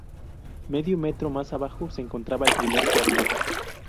Medio metro más abajo se encontraba el primer cuerpo.